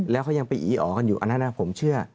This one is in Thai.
แล้วเขายังไปอีอ๋อกันอยู่อันนั้นผมเชื่อ